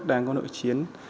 đang có nội chiến